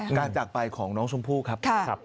จากไปของน้องชมพู่ครับ